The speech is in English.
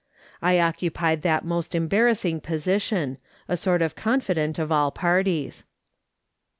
I occupied that most embarrassing position — a sort of confident of all parties.